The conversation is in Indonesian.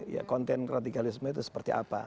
ya konten radikalisme itu seperti apa